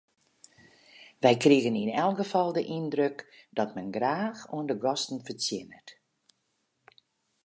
Wy krigen yn elk gefal de yndruk dat men graach oan de gasten fertsjinnet.